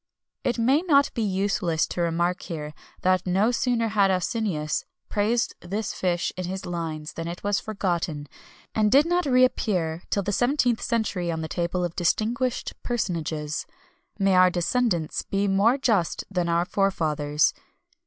[XXI 240] It may not be useless to remark here, that no sooner had Ausonius praised this fish in his lines than it was forgotten, and did not re appear till the 17th century on the tables of distinguished personages. May our descendants be more just than our forefathers.